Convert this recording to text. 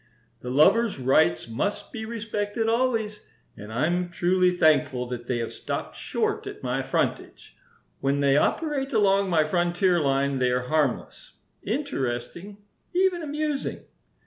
"The lovers' rights must be respected always, and I'm truly thankful that they have stopped short at my frontage. When they operate along my frontier line they are harmless, interesting, even amusing.